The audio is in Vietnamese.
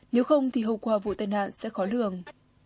nếu không thì hậu quả vụ tai nạn sẽ khó lường